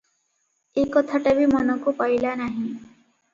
ଏ କଥାଟା ବି ମନକୁ ପାଇଲା ନାହିଁ ।